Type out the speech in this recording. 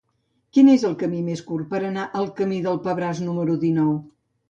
Quin és el camí més curt per anar al camí del Pebràs número dinou?